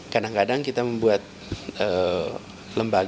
kadang kadang kita membuat lembaga